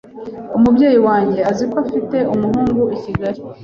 umubyeyi wanjye azi ko afite umuhungu i Kigali